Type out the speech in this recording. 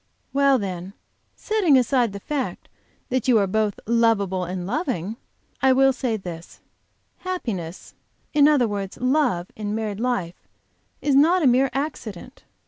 "Well, then, setting aside the fact that you are both lovable and loving, I will say this: Happiness, in other words love, in married life is not a mere accident.